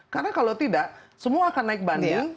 karena kalau tidak semua akan naik banding